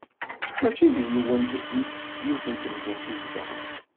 Mačči deg yiwet n temdint i zedɣen.